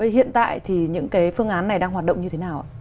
hiện tại thì những cái phương án này đang hoạt động như thế nào ạ